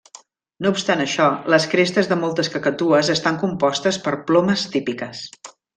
No obstant això, les crestes de moltes cacatues estan compostes per plomes típiques.